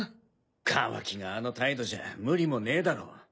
カワキがあの態度じゃ無理もねえだろう。